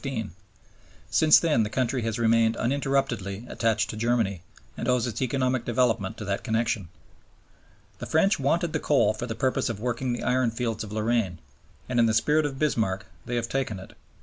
Since then the country has remained uninterruptedly attached to Germany, and owes its economic development to that connection." The French wanted the coal for the purpose of working the ironfields of Lorraine, and in the spirit of Bismarck they have taken it.